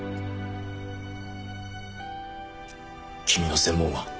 君の専門は？